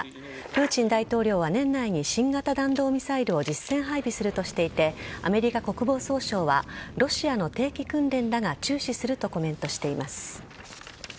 プーチン大統領は年内に新型弾道ミサイルを実戦配備するとしていてアメリカ国防総省はロシアの定期訓練だが注視するとコメントしています。